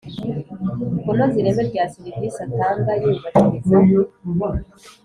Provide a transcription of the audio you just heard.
kunoza ireme rya serivisi atanga yubahiriza